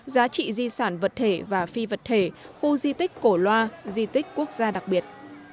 giá trị di sản vật thể và phi vật thể khu di tích cổ loa di tích quốc gia đặc biệt